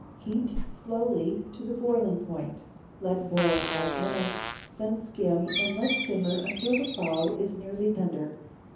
Heat slowly to the boiling point, let boil five minutes, then skim and let simmer until the fowl is nearly tender.